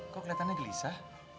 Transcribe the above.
kok keliatannya gelisah